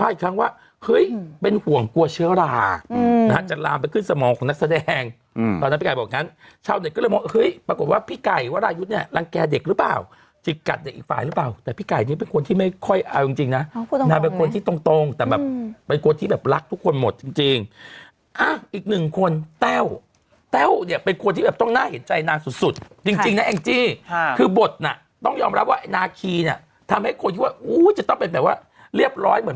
ภายในอายุความเนี่ยอายุความของน้องชมพู่เนี่ยอีก๒๐ปี